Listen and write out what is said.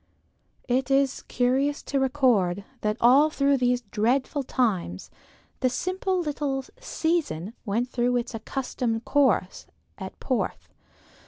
It is curious to record, that all through these dreadful times the simple little "season" went through its accustomed course at Porth.